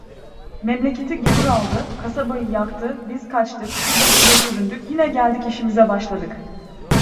Memleketi gavur aldı, kasabayı yaktı, biz kaçtık, şurda burda süründük, yine geldik, işimize başladık.